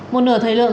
một nửa thời lượng